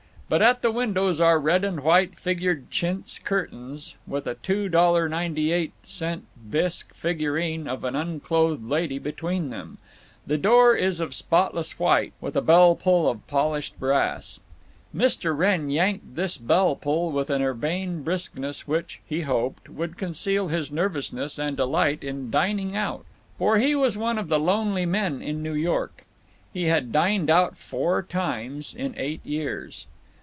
But at the windows are red and white figured chintz curtains, with a $2.98 bisque figurine of an unclothed lady between them; the door is of spotless white, with a bell pull of polished brass. Mr. Wrenn yanked this bell pull with an urbane briskness which, he hoped, would conceal his nervousness and delight in dining out. For he was one of the lonely men in New York. He had dined out four times in eight years.